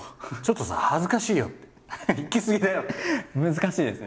難しいですね。